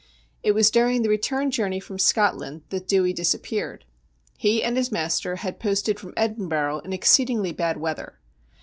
It was during the return journey from Scotland that Dewey disappeared. He and his master had posted from Edinburgh in exceedingly bad weather.